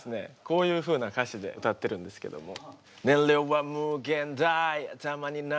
こういうふうな歌詞で歌ってるんですけども。